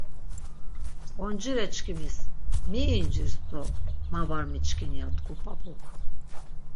Oncireçkimis mi incirs do ma var miçkin ya tku p̌ap̌uk.